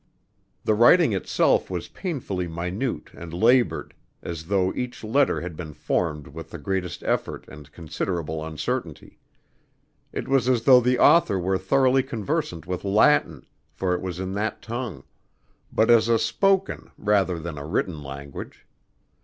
The writing itself was painfully minute and labored as though each letter had been formed with the greatest effort and considerable uncertainty. It was as though the author were thoroughly conversant with Latin for it was in that tongue but as a spoken rather than a written language.